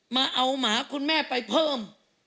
มาเอาหมาคุณแม่ไปเพิ่ม